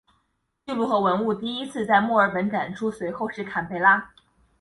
记录和文物第一次在墨尔本展出随后是堪培拉。